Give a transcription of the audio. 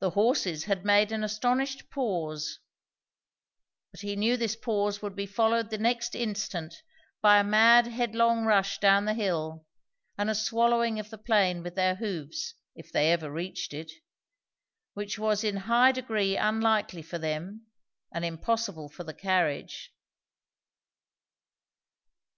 The horses had made an astonished pause, but he knew this pause would be followed the next instant by a mad headlong rush down the hill and a swallowing of the plain with their hoofs, if they ever reached it; which was in u high degree unlikely for them and impossible for the carriage.